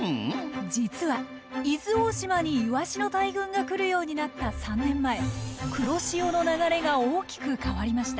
実は伊豆大島にイワシの大群が来るようになった３年前黒潮の流れが大きく変わりました。